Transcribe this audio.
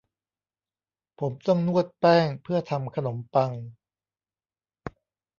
ผมต้องนวดแป้งเพื่อทำขนมปัง